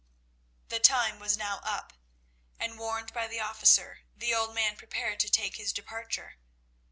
The time was now up, and, warned by the officer, the old man prepared to take his departure.